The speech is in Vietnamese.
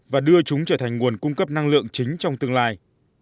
và đưa chúng trở thành nguồn cung cấp năng lượng chính trong tương lai